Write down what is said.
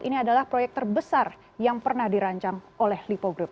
ini adalah proyek terbesar yang pernah dirancang oleh lipo group